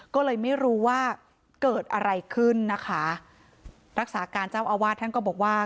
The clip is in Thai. ก็เลยไม่รู้ว่าเกิดอะไรขึ้นนะคะรักษาการเจ้าอาวาสท่านก็บอกว่า